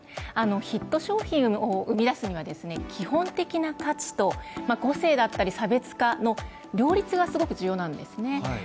ヒット商品を生み出すには基本的な価値と、個性だったり差別化の両立がすごく重要なんですね。